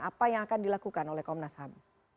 apa yang akan dilakukan oleh komnas ham